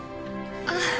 ああ。